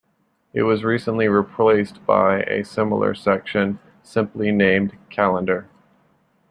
It was recently replaced by a similar section simply named "Calendar".